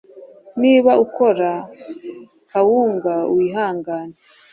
Niba ukora kawunga wihangane